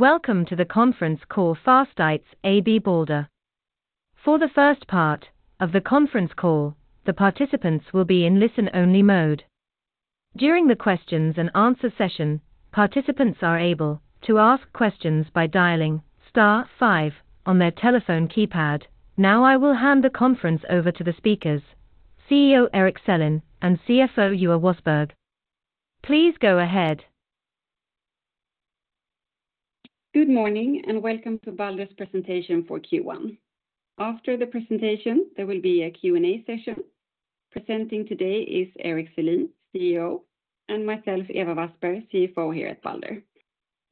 Welcome to the conference call Fastighets AB Balder. For the first part of the conference call, the participants will be in listen-only mode. During the questions and answer session, participants are able to ask questions by dialing star five on their telephone keypad. I will hand the conference over to the speakers, CEO, Erik Selin, and CFO, Ewa Wassberg. Please go ahead. Good morning, welcome to Balder's presentation for Q1. After the presentation, there will be a Q&A session. Presenting today is Erik Selin, CEO, and myself, Ewa Wassberg, CFO here at Balder.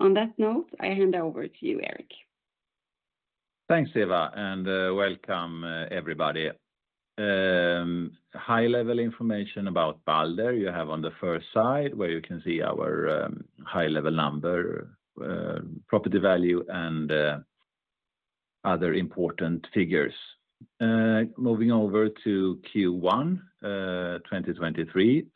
On that note, I hand over to you, Erik. Thanks, Ewa. Welcome, everybody. High level information about Balder you have on the first side, where you can see our high level number, property value, and other important figures. Moving over to Q1 2023,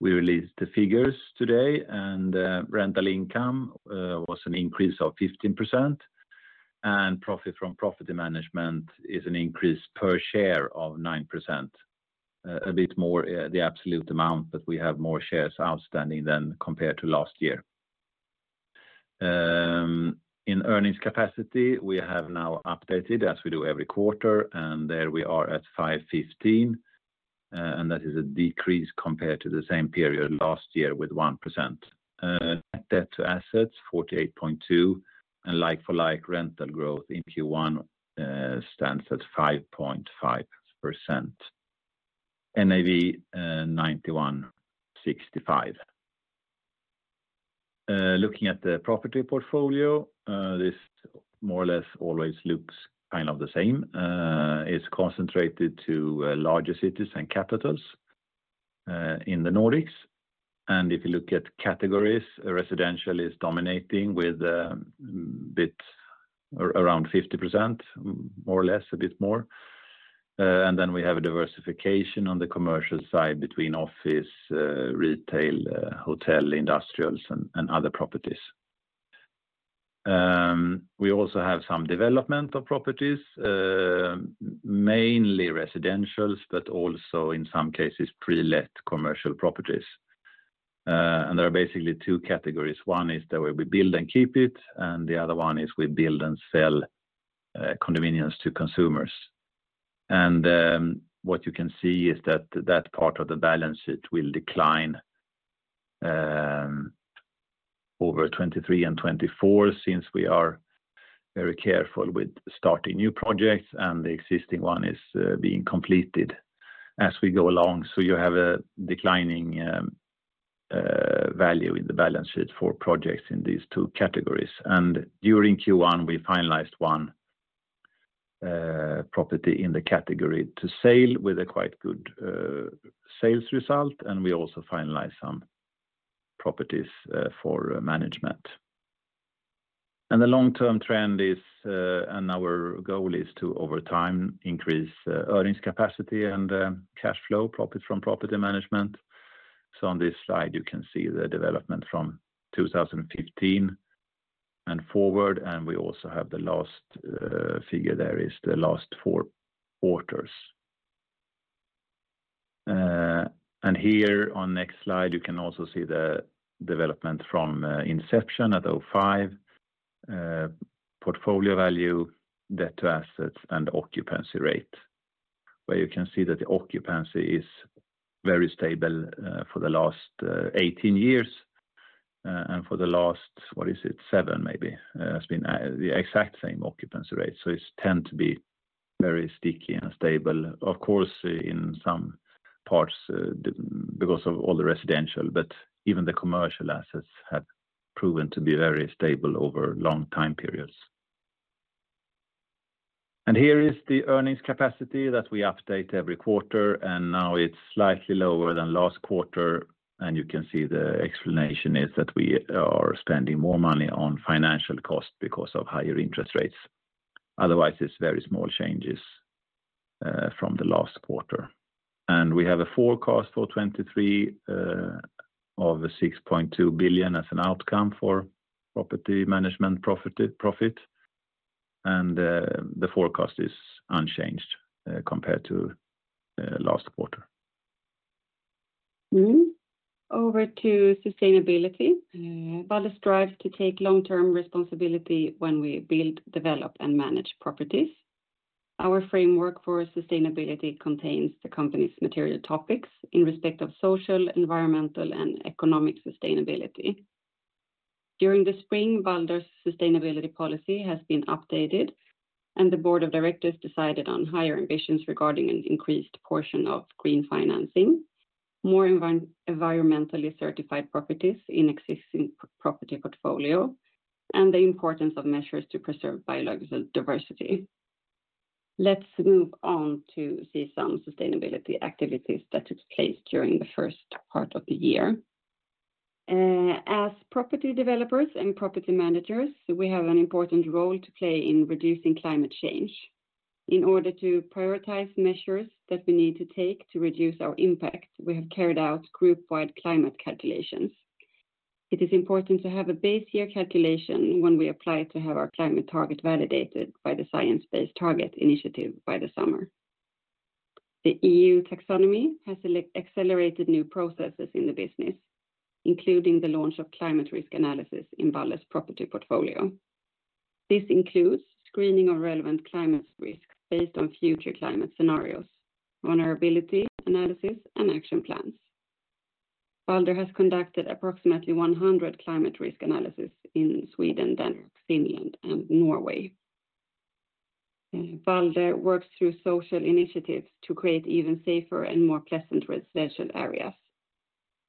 we released the figures today, and rental income was an increase of 15%, and profit from property management is an increase per share of 9%. A bit more, the absolute amount, but we have more shares outstanding than compared to last year. In earnings capacity, we have now updated as we do every quarter, and there we are at 515, and that is a decrease compared to the same period last year with 1%. Debt to assets, 48.2, and like-for-like rental growth in Q1 stands at 5.5%. NAV 91.65. Looking at the property portfolio, this more or less always looks kind of the same. It's concentrated to larger cities and capitals in the Nordics. If you look at categories, residential is dominating with around 50%, more or less, a bit more. We have a diversification on the commercial side between office, retail, hotel, industrials, and other properties. We also have some development of properties, mainly residentials, but also, in some cases, pre-let commercial properties. There are basically two categories. One is that we build and keep it, and the other one is we build and sell convenience to consumers. What you can see is that that part of the balance sheet will decline over 2023 and 2024 since we are very careful with starting new projects, and the existing one is being completed as we go along. You have a declining value in the balance sheet for projects in these two categories. During Q1, we finalized one property in the category to sale with a quite good sales result, and we also finalized some properties for management. The long-term trend is, and our goal is to, over time, increase earnings capacity and cash flow profit from property management. On this slide, you can see the development from 2015 and forward, and we also have the last figure there is the last four quarters. Here on next slide, you can also see the development from inception at 2005, portfolio value, debt to assets, and occupancy rate, where you can see that the occupancy is very stable for the last 18 years. For the last, what is it? seven maybe, has been the exact same occupancy rate. It's tend to be very sticky and stable. Of course, in some parts, because of all the residential, but even the commercial assets have proven to be very stable over long time periods. Here is the earnings capacity that we update every quarter, and now it's slightly lower than last quarter. You can see the explanation is that we are spending more money on financial costs because of higher interest rates. Otherwise, it's very small changes from the last quarter. We have a forecast for 2023 of 6.2 billion as an outcome for property management profit. The forecast is unchanged compared to last quarter. Mm-hmm. Over to sustainability. Balder strives to take long-term responsibility when we build, develop, and manage properties. Our framework for sustainability contains the company's material topics in respect of social, environmental, and economic sustainability. During the spring, Balder's sustainability policy has been updated, and the board of directors decided on higher ambitions regarding an increased portion of green financing, more environmentally certified properties in existing property portfolio, and the importance of measures to preserve biological diversity. Let's move on to see some sustainability activities that took place during the first part of the year. As property developers and property managers, we have an important role to play in reducing climate change. In order to prioritize measures that we need to take to reduce our impact, we have carried out group-wide climate calculations. It is important to have a base year calculation when we apply to have our climate target validated by the Science Based Targets initiative by the summer. The EU Taxonomy has accelerated new processes in the business, including the launch of climate risk analysis in Balder's property portfolio. This includes screening of relevant climate risks based on future climate scenarios, vulnerability analysis, and action plans. Balder has conducted approximately 100 climate risk analysis in Sweden and Finland and Norway. Balder works through social initiatives to create even safer and more pleasant residential areas.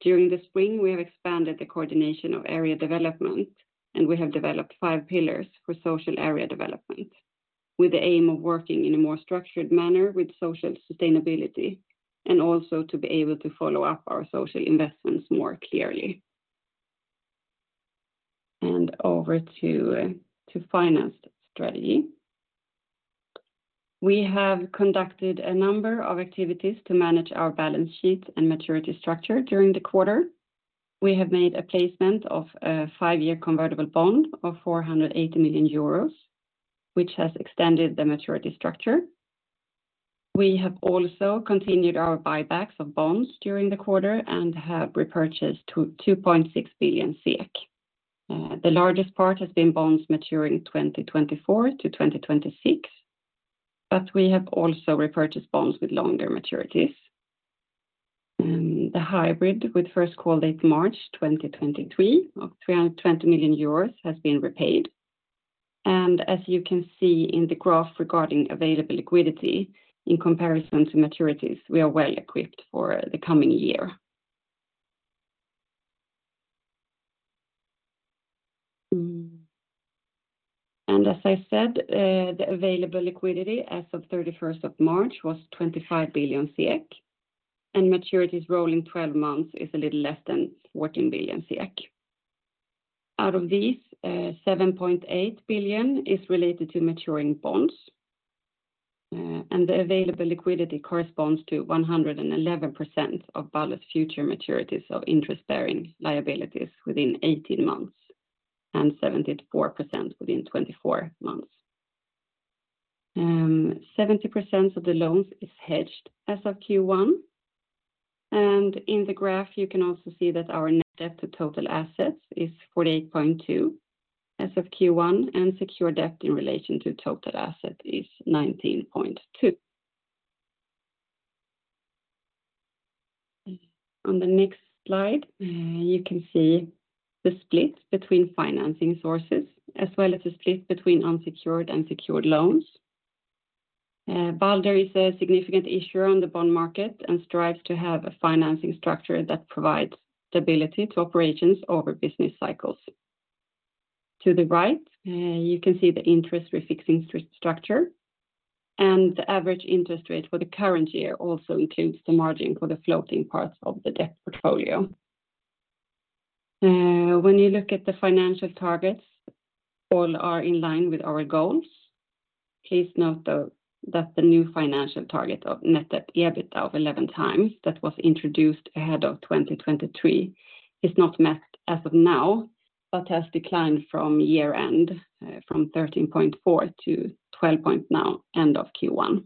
During the spring, we have expanded the coordination of area development, and we have developed five pillars for social area development, with the aim of working in a more structured manner with social sustainability and also to be able to follow up our social investments more clearly. Over to finance strategy. We have conducted a number of activities to manage our balance sheet and maturity structure during the quarter. We have made a placement of a five year convertible bond of 480 million euros, which has extended the maturity structure. We have also continued our buybacks of bonds during the quarter and have repurchased 2.6 billion. The largest part has been bonds maturing 2024-2026, we have also repurchased bonds with longer maturities. The hybrid with first call date March 2023 of 320 million euros has been repaid. As you can see in the graph regarding available liquidity in comparison to maturities, we are well equipped for the coming year. As I said, the available liquidity as of 31st of March was 25 billion, and maturities rolling 12 months is a little less than 14 billion. Out of these, 7.8 billion is related to maturing bonds, the available liquidity corresponds to 111% of Balder's future maturities of interest-bearing liabilities within 18 months and 74% within 24 months. 70% of the loans is hedged as of Q1. In the graph, you can also see that our net debt to total assets is 48.2% as of Q1, and secure debt in relation to total asset is 19.2%. On the next slide, you can see the split between financing sources as well as the split between unsecured and secured loans. Balder is a significant issuer on the bond market and strives to have a financing structure that provides stability to operations over business cycles. To the right, you can see the interest rate fixing structure, and the average interest rate for the current year also includes the margin for the floating parts of the debt portfolio. When you look at the financial targets, all are in line with our goals. Please note, though, that the new financial target of net debt EBITDA of 11x that was introduced ahead of 2023 is not met as of now, but has declined from year-end, from 13.4-12 point now end of Q1.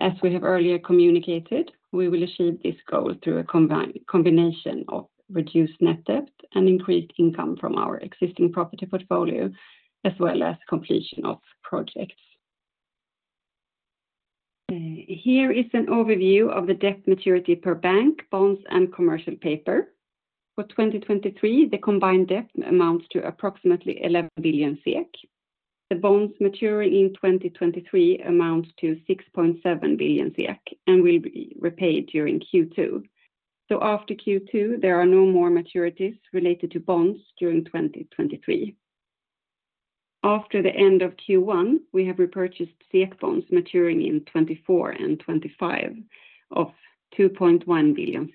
As we have earlier communicated, we will achieve this goal through a combination of reduced net debt and increased income from our existing property portfolio, as well as completion of projects. Here is an overview of the debt maturity per bank, bonds, and commercial paper. For 2023, the combined debt amounts to approximately 11 billion. The bonds maturing in 2023 amounts to 6.7 billion and will be repaid during Q2. After Q2, there are no more maturities related to bonds during 2023. After the end of Q1, we have repurchased SEK bonds maturing in 2024 and 2025 of 2.1 billion.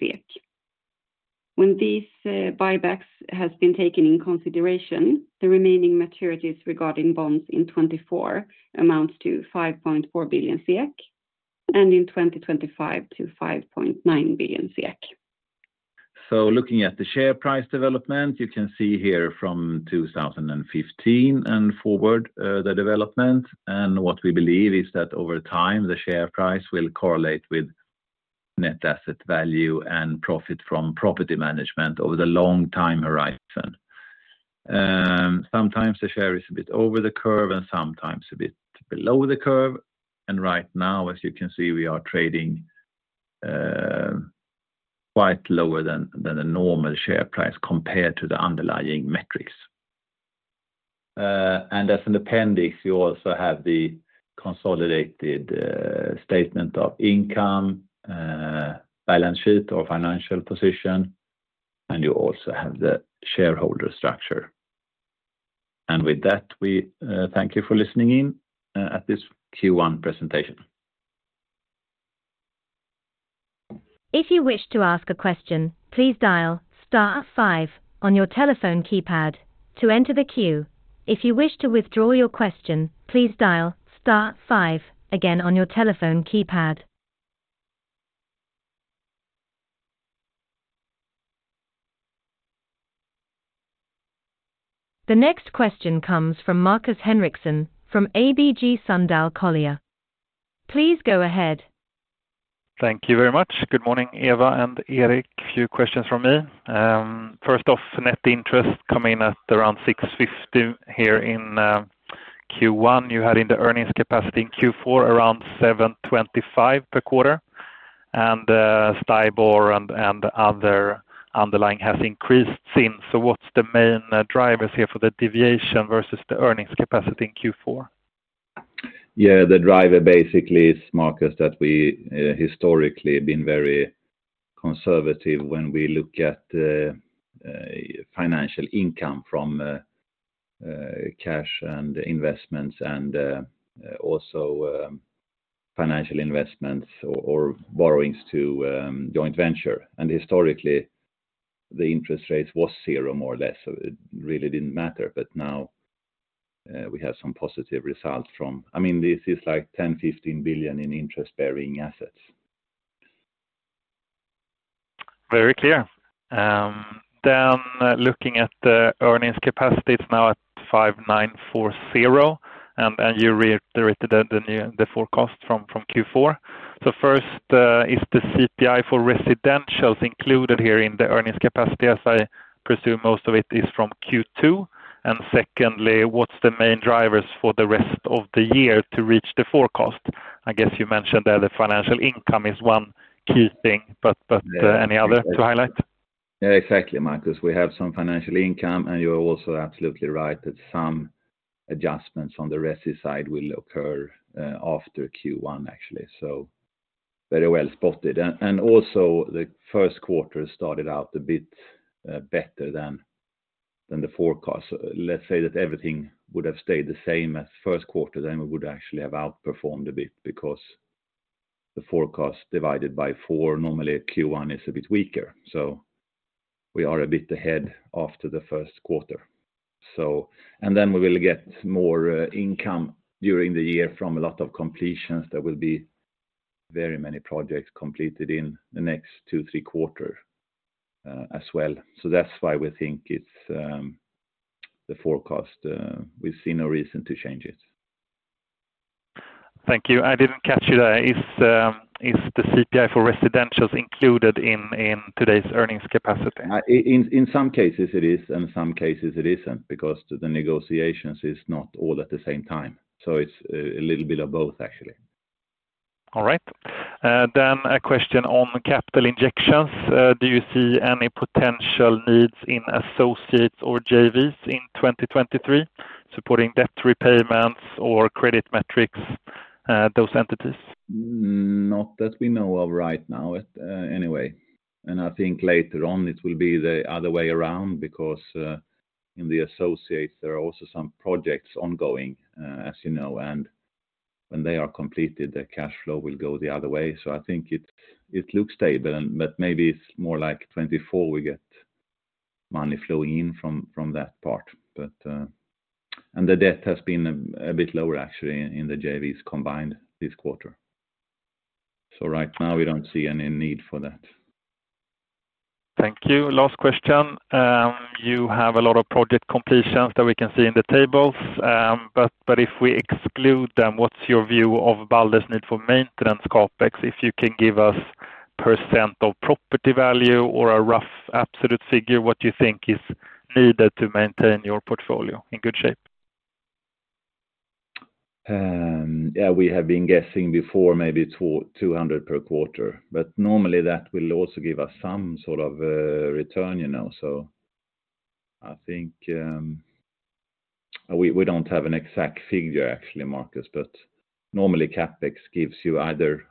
When these buybacks has been taken in consideration, the remaining maturities regarding bonds in 2024 amounts to 5.4 billion, and in 2025 to 5.9 billion. Looking at the share price development, you can see here from 2015 and forward, the development. What we believe is that over time, the share price will correlate with net asset value and profit from property management over the long time horizon. Sometimes the share is a bit over the curve and sometimes a bit below the curve. Right now, as you can see, we are trading quite lower than the normal share price compared to the underlying metrics. As an appendix, you also have the consolidated statement of income, balance sheet or financial position, and you also have the shareholder structure. With that, we thank you for listening in at this Q1 presentation. If you wish to ask a question, please dial star five on your telephone keypad to enter the queue. If you wish to withdraw your question, please dial star five again on your telephone keypad. The next question comes from Markus Henriksson from ABG Sundal Collier. Please go ahead. Thank you very much. Good morning, Ewa and Erik. Few questions from me. First off, net interest come in at around 650 here in Q1. You had in the earnings capacity in Q4 around 725 per quarter. STIBOR and other underlying has increased since. What's the main drivers here for the deviation versus the earnings capacity in Q4? Yeah. The driver basically is, Marcus, that we historically been very conservative when we look at financial income from cash and investments and also financial investments or borrowings to joint venture. Historically, the interest rates was 0 more or less. It really didn't matter. Now, we have some positive results from... I mean, this is like 10 billion-15 billion in interest-bearing assets. Very clear. Looking at the earnings capacity, it's now at 5,940. You reiterated the forecast from Q4. First, is the CPI for residentials included here in the earnings capacity, as I presume most of it is from Q2? Secondly, what's the main drivers for the rest of the year to reach the forecast? I guess you mentioned that the financial income is one key thing, but any other to highlight? Yeah, exactly, Markus. We have some financial income, and you're also absolutely right that some adjustments on the resi side will occur after Q1 actually. Very well spotted. The first quarter started out a bit better than the forecast. Let's say that everything would have stayed the same as first quarter, then we would actually have outperformed a bit because the forecast divided by four, normally Q1 is a bit weaker. We are a bit ahead after the first quarter. Then we will get more income during the year from a lot of completions. There will be very many projects completed in the next two, three quarter as well. That's why we think it's the forecast. We see no reason to change it. Thank you. I didn't catch you there. Is the CPI for residentials included in today's earnings capacity? In some cases it is, and some cases it isn't because the negotiations is not all at the same time. It's a little bit of both, actually. All right. A question on capital injections. Do you see any potential needs in associates or JVs in 2023 supporting debt repayments or credit metrics, those entities? Not that we know of right now, anyway. I think later on it will be the other way around because, in the associates there are also some projects ongoing, as you know. When they are completed, the cash flow will go the other way. I think it looks stable. Maybe it's more like 2024 we get money flowing in from that part. The debt has been a bit lower actually in the JVs combined this quarter. Right now we don't see any need for that. Thank you. Last question. You have a lot of project completions that we can see in the tables. But if we exclude them, what's your view of Balder's need for maintenance CapEx? If you can give us % of property value or a rough absolute figure, what you think is needed to maintain your portfolio in good shape? Yeah, we have been guessing before maybe 200 per quarter, normally that will also give us some sort of return, you know. I think, we don't have an exact figure actually, Markus, but normally CapEx gives you either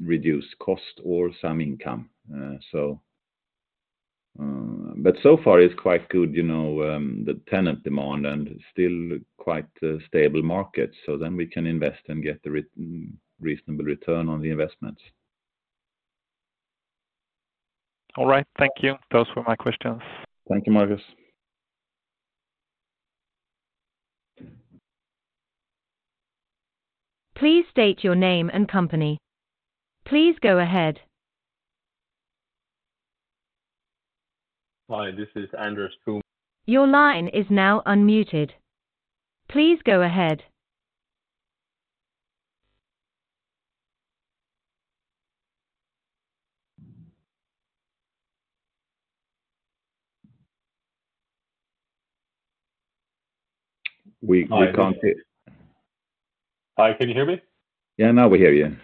reduced cost or some income. So far it's quite good, you know, the tenant demand and still quite a stable market. We can invest and get a reasonable return on the investments. All right. Thank you. Those were my questions. Thank you, Markus. Please state your name and company. Please go ahead. Hi, this is Anders Wennberg. Your line is now unmuted. Please go ahead. We can't. Hi. Can you hear me? Yeah. Now we hear you.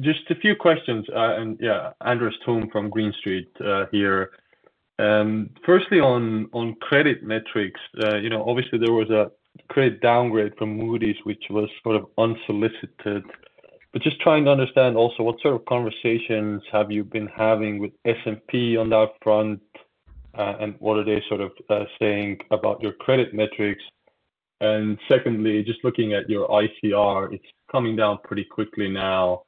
Just a few questions. Anders Wennberg from Green Street here. Firstly on credit metrics, you know, obviously there was a credit downgrade from Moody's which was unsolicited. Just trying to understand also what conversations have you been having with S&P on that front, and what are they saying about your credit metrics? Secondly, just looking at your ICR, it's coming down pretty quickly now.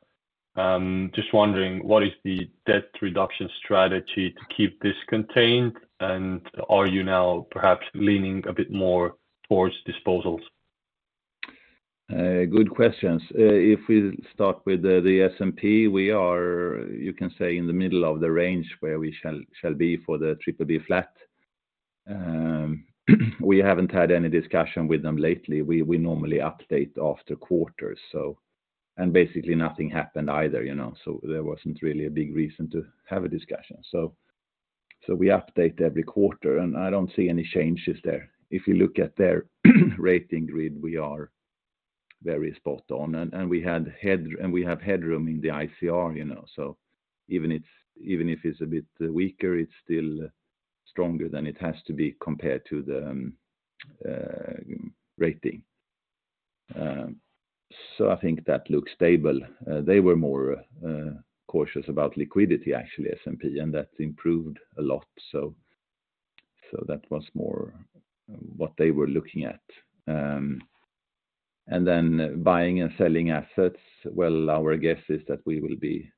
Just wondering what is the debt reduction strategy to keep this contained, and are you now perhaps leaning a bit more towards disposals? Good questions. If we start with the S&P, we are, you can say, in the middle of the range where we shall be for the BBB flat. We haven't had any discussion with them lately. We normally update after quarters. Basically nothing happened either, you know, so there wasn't really a big reason to have a discussion. We update every quarter, and I don't see any changes there. If you look at their rating grid, we are very spot on. We had headroom and we have headroom in the ICR, you know, so even if it's a bit weaker, it's still stronger than it has to be compared to the rating. I think that looks stable. They were more cautious about liquidity, actually, S&P, and that improved a lot. That was more what they were looking at. Buying and selling assets. Well, our guess is that we will be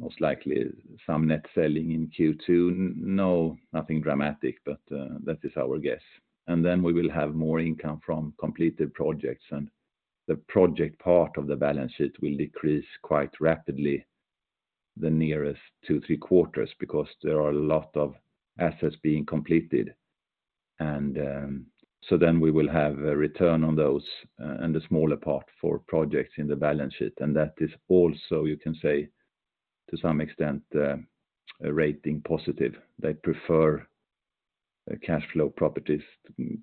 most likely some net selling in Q2. No, nothing dramatic, that is our guess. We will have more income from completed projects, and the project part of the balance sheet will decrease quite rapidly the nearest two, three quarters because there are a lot of assets being completed. We will have a return on those and a smaller part for projects in the balance sheet. That is also, you can say, to some extent, a rating positive. They prefer cash flow properties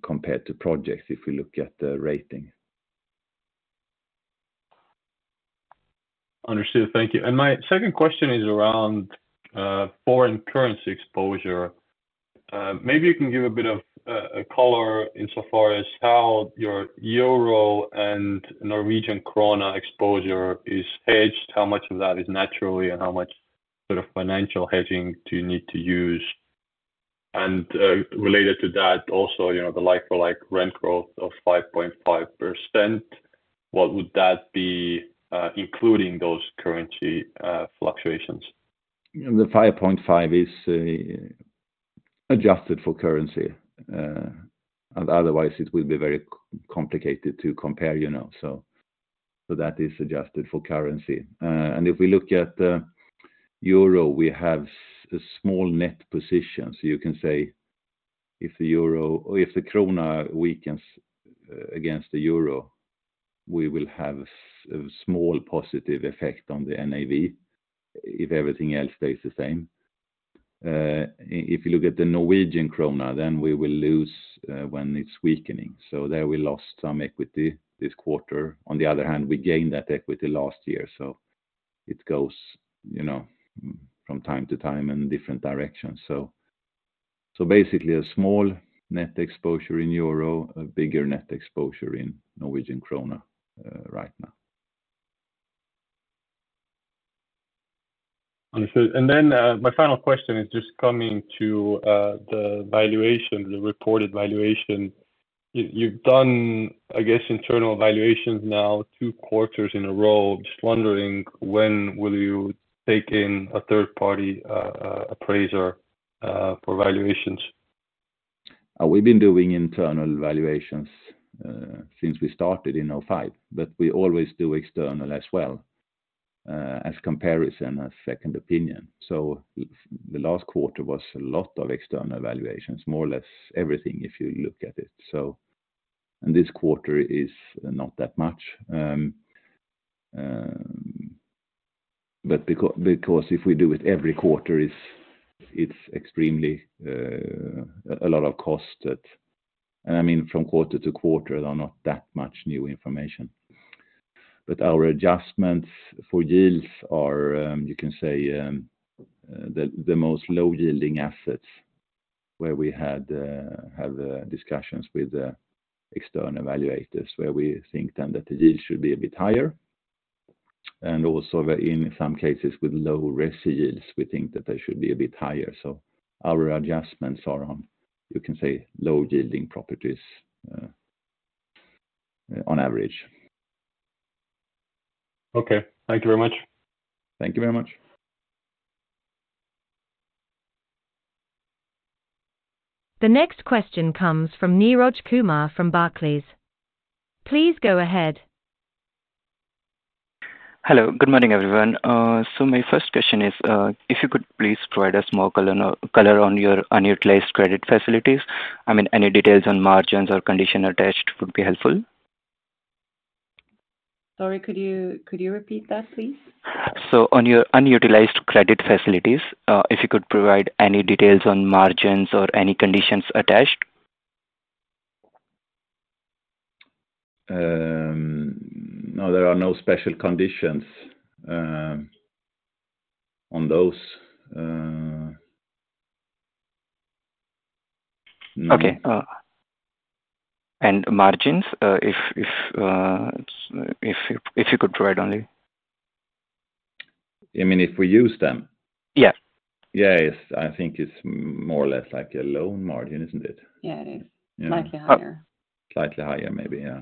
compared to projects if we look at the rating. Understood. Thank you. My second question is around foreign currency exposure. Maybe you can give a bit of a color insofar as how your EUR and NOK exposure is hedged, how much of that is naturally, and how much sort of financial hedging do you need to use? Related to that also, you know, the like-for-like rental growth of 5.5%, what would that be, including those currency fluctuations? The 5.5% is adjusted for currency. Otherwise it will be very complicated to compare, you know. That is adjusted for currency. If we look at the euro, we have small net positions. You can say if the euro or if the krona weakens against the euro, we will have small positive effect on the NAV if everything else stays the same. If you look at the Norwegian krona, we will lose when it's weakening. There we lost some equity this quarter. On the other hand, we gained that equity last year. It goes, you know, from time to time in different directions. Basically a small net exposure in euro, a bigger net exposure in Norwegian krona right now. Understood. My final question is just coming to the valuation, the reported valuation. You've done, I guess, internal valuations now two quarters in a row. Just wondering when will you take in a third-party appraiser for valuations? We've been doing internal valuations since we started in 2005, but we always do external as well, as comparison, a second opinion. The last quarter was a lot of external valuations, more or less everything if you look at it. This quarter is not that much. Because if we do it every quarter, it's extremely a lot of cost that... I mean, from quarter-to-quarter, there are not that much new information. Our adjustments for yields are, you can say, the most low-yielding assets where we have discussions with the external evaluators where we think then that the yield should be a bit higher. Also in some cases with low res yields, we think that they should be a bit higher. Our adjustments are on, you can say, low-yielding properties, on average. Okay. Thank you very much. Thank you very much. The next question comes from Niroj Kumar from Barclays. Please go ahead. Hello. Good morning, everyone. My first question is, if you could please provide us more color on your unutilized credit facilities. I mean, any details on margins or condition attached would be helpful. Sorry, could you repeat that, please? On your unutilized credit facilities, if you could provide any details on margins or any conditions attached. No, there are no special conditions on those. Okay. margins, if you could provide only. I mean, if we use them? Yes. Yes, I think it's more or less like a loan margin, isn't it? Yeah, it is. Yeah. Slightly higher. Slightly higher, maybe. Yeah.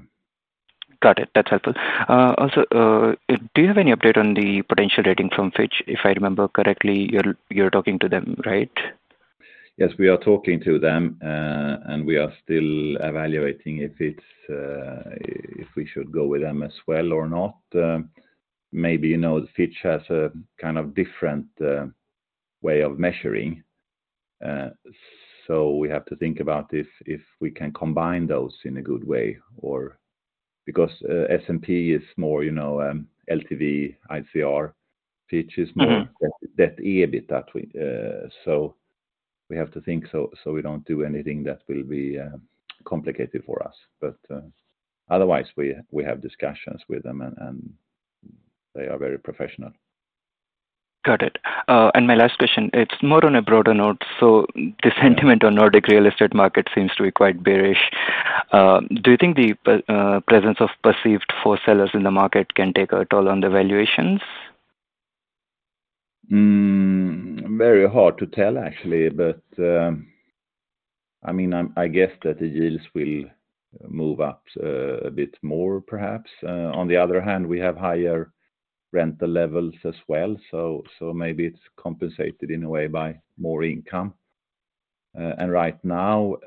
Got it. That's helpful. Also, do you have any update on the potential rating from Fitch? If I remember correctly, you're talking to them, right? We are talking to them. We are still evaluating if we should go with them as well or not. Maybe, you know, Fitch has a kind of different way of measuring. We have to think about if we can combine those in a good way or. S&P is more, you know, LTV, ICR. Fitch is. Mm-hmm ...more debt, EBIT that we have to think so we don't do anything that will be complicated for us. Otherwise, we have discussions with them and they are very professional. Got it. My last question, it's more on a broader note. Yeah. On Nordic real estate market seems to be quite bearish. Do you think the presence of perceived for sellers in the market can take a toll on the valuations? Very hard to tell actually. I mean, I guess that the yields will move up a bit more perhaps. On the other hand, we have higher rental levels as well, so maybe it's compensated in a way by more income. Right now,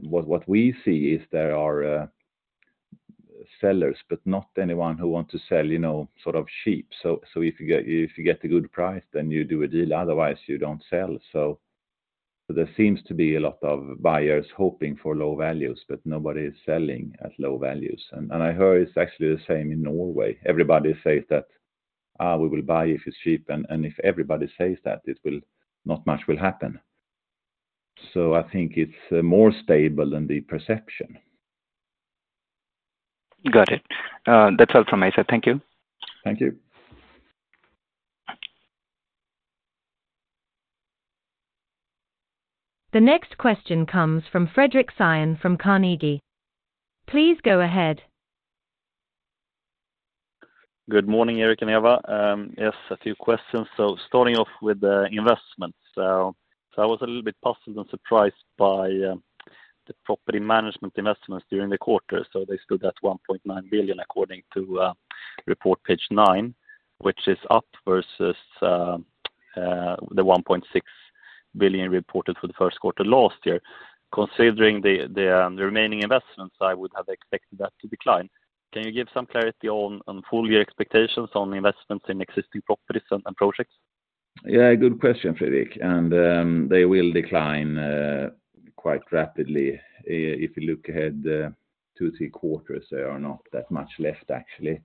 what we see is there are sellers, but not anyone who want to sell, you know, sort of cheap. If you get a good price, then you do a deal, otherwise you don't sell. There seems to be a lot of buyers hoping for low values, but nobody is selling at low values. I heard it's actually the same in Norway. Everybody says that, "We will buy if it's cheap." If everybody says that, it will not much will happen. I think it's more stable than the perception. Got it. That's all from my side. Thank you. Thank you. The next question comes from Fredric Cyon from Carnegie. Please go ahead. Good morning, Erik and Ewa. Yes, a few questions. Starting off with the investments. I was a little bit puzzled and surprised by the property management investments during the quarter. They stood at 1.9 billion according to report page nine, which is up versus the 1.6 billion reported for the first quarter last year. Considering the remaining investments, I would have expected that to decline. Can you give some clarity on full year expectations on investments in existing properties and projects? Yeah, good question, Fredric. They will decline, quite rapidly. If you look ahead, two, three quarters, there are not that much left actually.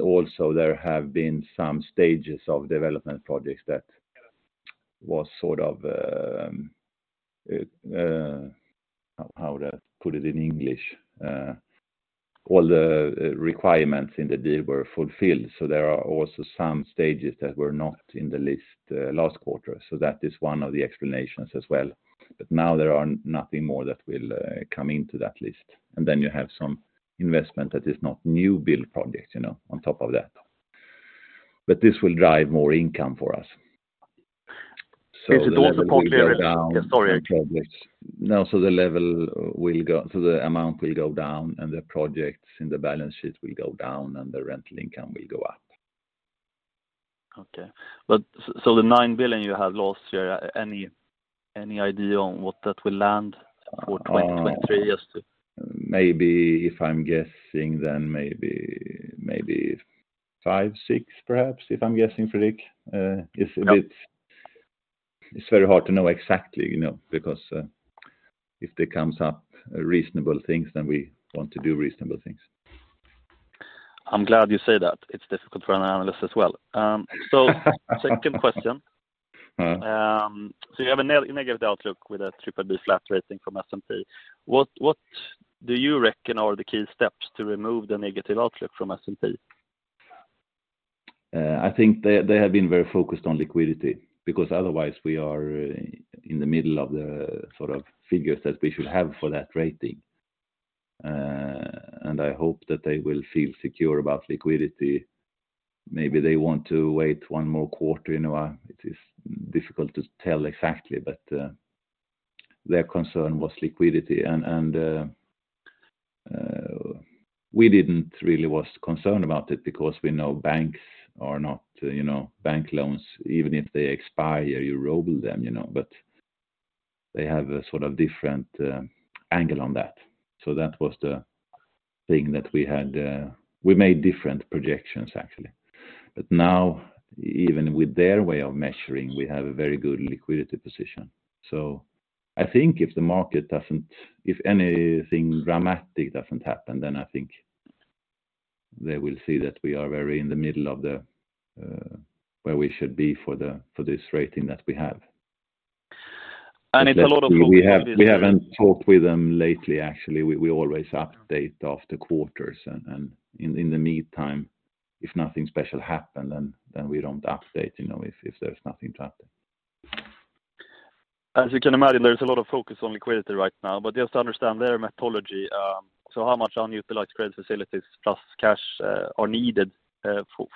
Also there have been some stages of development projects that- Yes ...was sort of. How to put it in English? All the requirements in the deal were fulfilled. There are also some stages that were not in the list last quarter. That is one of the explanations as well. Now there are nothing more that will come into that list. You have some investment that is not new build projects, you know, on top of that. This will drive more income for us. The level will go down. Is it also? ...on projects. Yeah, sorry. No, the amount will go down, and the projects in the balance sheet will go down, and the rental income will go up. Okay. The 9 billion you had last year, any idea on what that will land? Uh- 2023. Maybe if I'm guessing then maybe five, six perhaps, if I'm guessing, Fredric. Yeah. It's very hard to know exactly, you know, because, if there comes up reasonable things, then we want to do reasonable things. I'm glad you say that. It's difficult for an analyst as well. Second question. Mm. You have a negative outlook with a BBB flat rating from S&P. What do you reckon are the key steps to remove the negative outlook from S&P? I think they have been very focused on liquidity, because otherwise we are in the middle of the sort of figures that we should have for that rating. I hope that they will feel secure about liquidity. Maybe they want to wait one more quarter, you know. It is difficult to tell exactly, but their concern was liquidity. We didn't really was concerned about it because we know banks are not, you know, bank loans, even if they expire, you roll them, you know. They have a sort of different angle on that. That was the thing that we had. We made different projections actually. Now even with their way of measuring, we have a very good liquidity position. I think if the market doesn't. If anything dramatic doesn't happen, then I think they will see that we are very in the middle of the, where we should be for the, for this rating that we have. it's a lot of talk- We haven't talked with them lately actually. We always update after quarters and in the meantime, if nothing special happened then we don't update, you know, if there's nothing to update. As you can imagine, there's a lot of focus on liquidity right now, just to understand their methodology, how much unutilized credit facilities plus cash are needed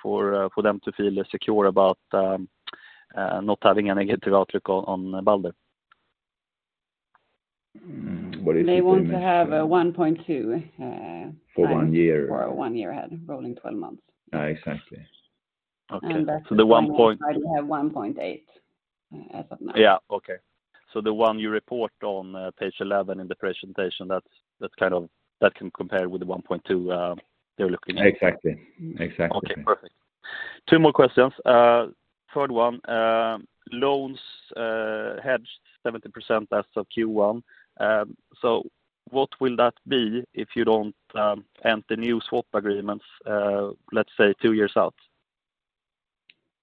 for them to feel secure about not having any negative outlook on Balder? What did you say? They want to have 1.2. For one year. For one year ahead, rolling 12 months. Exactly. Okay. the one point- We have 1.8 as of now. Yeah. Okay. The one you report on page 11 in the presentation, that's that can compare with the 1.2 they're looking at. Exactly. Exactly. Okay, perfect. two more questions. third one. loans, hedged 70% as of Q1. What will that be if you don't, end the new swap agreements, let's say, two years out?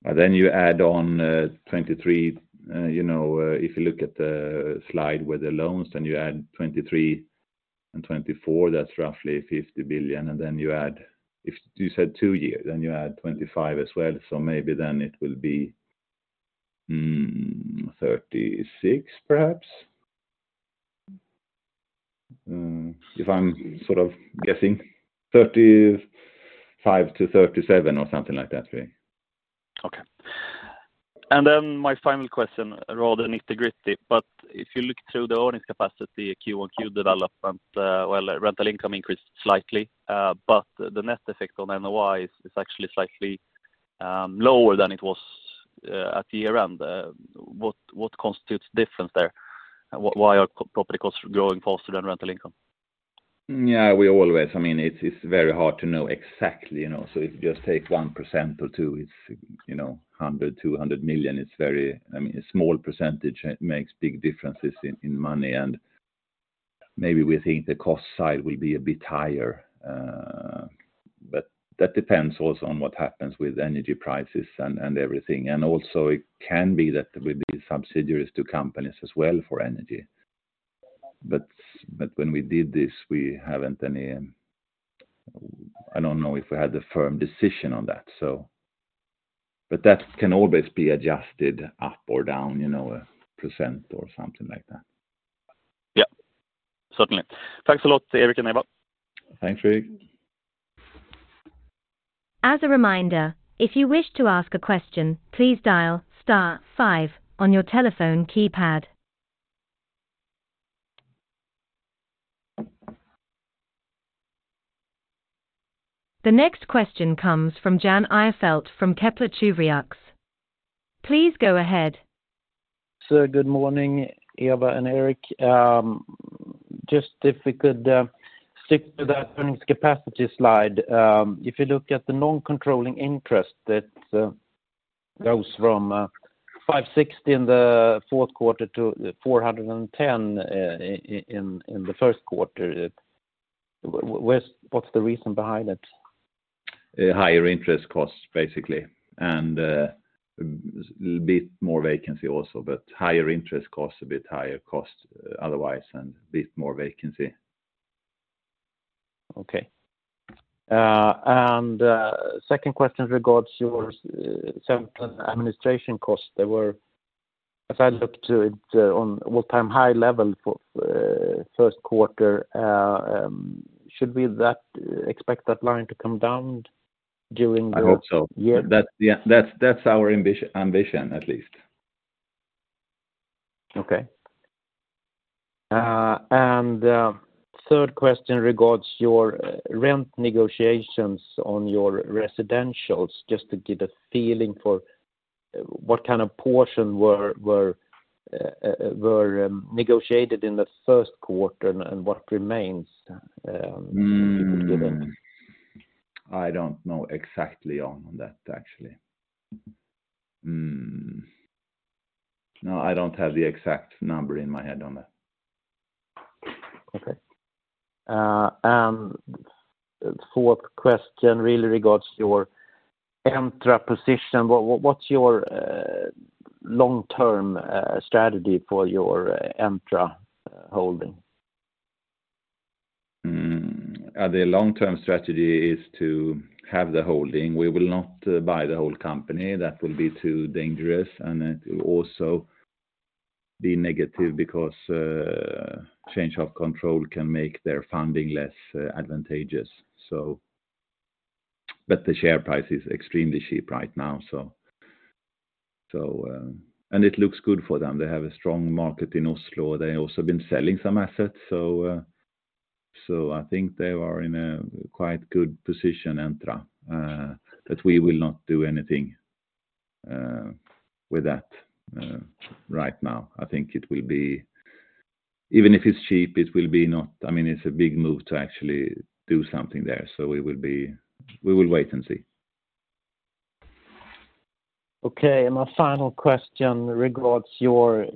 You add on, 23. You know, if you look at the slide with the loans, then you add 23 and 24, that's roughly 50 billion. If you said two years, then you add 25 as well. Maybe then it will be SEK 36 billion perhaps. If I'm sort of guessing. 35 billion-37 billion or something like that really. My final question, rather nitty-gritty, if you look through the earnings capacity Q-on-Q development, well, rental income increased slightly, the net effect on NOI is actually slightly lower than it was at year-end. What constitutes difference there? Why are property costs growing faster than rental income? Yeah, we always, I mean, it's very hard to know exactly, you know. If you just take 1% or 2%, it's, you know, 100 million, 200 million. It's very, I mean, a small percentage makes big differences in money, and maybe we think the cost side will be a bit higher. That depends also on what happens with energy prices and everything. Also it can be that we be subsidiaries to companies as well for energy. When we did this, I don't know if we had a firm decision on that. That can always be adjusted up or down, you know, a percent or something like that. Yeah. Certainly. Thanks a lot, Erik and Ewa. Thanks, Fredric. As a reminder, if you wish to ask a question, please dial star five on your telephone keypad. The next question comes from Jan Ihrfelt from Kepler Cheuvreux. Please go ahead. Good morning, Ewa and Erik. Just if we could stick to that earnings capacity slide. If you look at the non-controlling interest that goes from 560 in the fourth quarter to 410 in the first quarter. What's the reason behind it? Higher interest costs, basically, and, a bit more vacancy also, but higher interest costs, a bit higher cost otherwise, and a bit more vacancy. Okay. Second question regards your central administration costs. They were, as I looked to it, on all-time high level for first quarter. Should we expect that line to come down during the-? I hope so.... year? Yeah, that's our ambition, at least. Okay. Third question regards your rent negotiations on your residentials, just to get a feeling for what kind of portion were negotiated in the first quarter and what remains, if you could give. I don't know exactly on that, actually. No, I don't have the exact number in my head on that. Okay. Fourth question really regards your Entra position. What's your long-term strategy for your Entra holding? The long-term strategy is to have the holding. We will not buy the whole company. That will be too dangerous, and it will also be negative because change of control can make their funding less advantageous, so. The share price is extremely cheap right now, so. It looks good for them. They have a strong market in Oslo. They've also been selling some assets. I think they are in a quite good position, Entra, but we will not do anything with that right now. I think Even if it's cheap, it will be not... I mean, it's a big move to actually do something there. We will wait and see. Okay. My final question regards your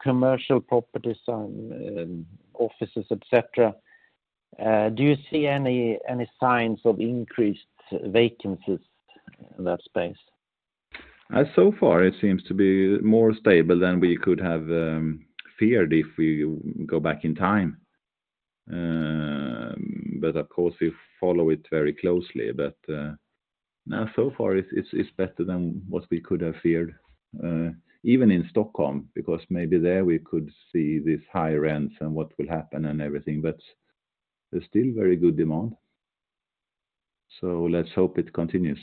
commercial properties, offices, et cetera. Do you see any signs of increased vacancies in that space? Far, it seems to be more stable than we could have feared if we go back in time. Of course, we follow it very closely. No, so far it's better than what we could have feared even in Stockholm, because maybe there we could see these high rents and what will happen and everything. There's still very good demand. Let's hope it continues.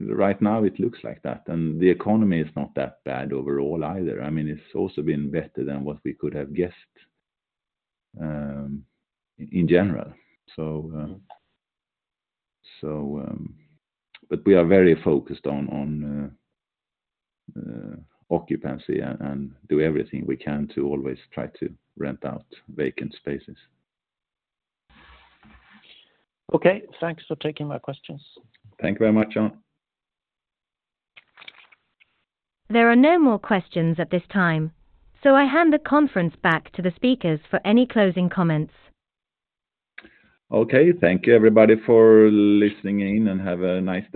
Right now, it looks like that. The economy is not that bad overall either. I mean, it's also been better than what we could have guessed in general. We are very focused on occupancy and do everything we can to always try to rent out vacant spaces. Okay. Thanks for taking my questions. Thank you very much, Jan. There are no more questions at this time. I hand the conference back to the speakers for any closing comments. Okay. Thank you, everybody, for listening in, and have a nice day.